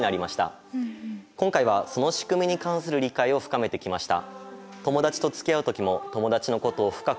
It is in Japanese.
今回はその仕組みに関する理解を深めてきました。